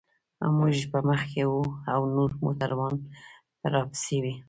موږ به مخکې وو او نور موټران به راپسې و.